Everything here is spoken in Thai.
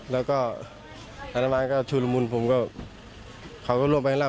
แล้วก็การะบันชูลบูนผมก็ข่าวก็ร่วงแหลายหน้า